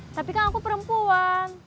tapi kan aku perempuan